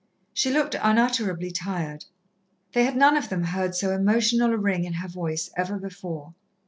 She looked unutterably tired. They had none of them heard so emotional a ring in her voice ever before.